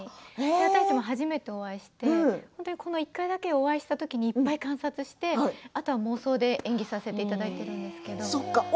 私たちも初めてお会いしてこの１回だけお会いしたときにいっぱい観察して、あとは妄想で演技させていただいているんですけれども。